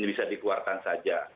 bisa dikeluarkan saja